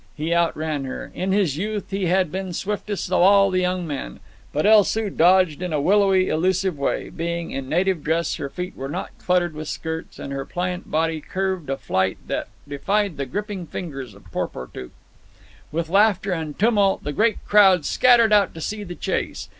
He outran her. In his youth he had been swiftest of all the young men. But El Soo dodged in a willowy, elusive way. Being in native dress, her feet were not cluttered with skirts, and her pliant body curved a flight that defied the gripping fingers of Porportuk. With laughter and tumult, the great crowd scattered out to see the chase.